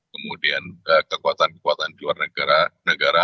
kemudian kekuatan kekuatan di luar negara negara